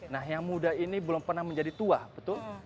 nah yang muda ini belum pernah menjadi tua betul